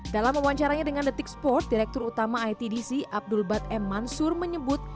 dalam wawancaranya dengan detik sport direktur utama itdc abdul bad m mansur menyebut